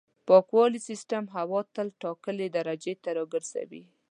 پاکوالي سیستم هوا تل ټاکلې درجې ته راګرځوي.